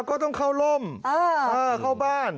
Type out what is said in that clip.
ก็ต้องเข้าร่มเข้าบ้าน